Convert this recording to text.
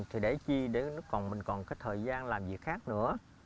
thì để chi để mình còn cái thời gian làm gì khác nữa